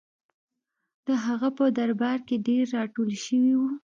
د هغه په درباره کې ډېر راټول شوي وو.